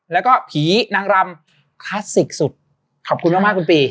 แล้วก็ผีนางรำคลาสสิกสุดขอบคุณมากมากคุณปี